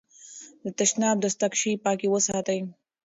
د تشناب دستکشې پاکې وساتئ.